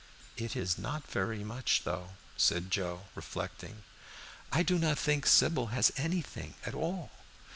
"It is not so very much, though," said Joe, reflecting. "I do not think Sybil has anything at all.